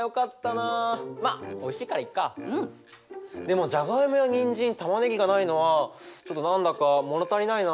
でもじゃがいもやにんじんたまねぎがないのはちょっと何だか物足りないな。